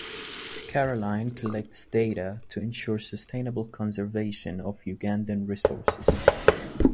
Caroline collects data to ensure sustainable conservation of Ugandan resources.